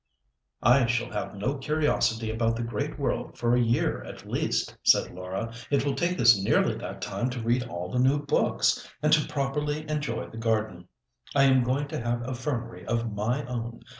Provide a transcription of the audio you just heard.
"I shall have no curiosity about the great world for a year at least," said Laura. "It will take us nearly that time to read all the new books; and to properly enjoy the garden, I am going to have a fernery of my own.